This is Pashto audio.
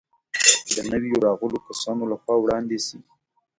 د نویو راغلو کسانو له خوا وړاندې شي.